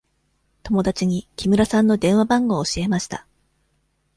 友達に木村さんの電話番号を教えました。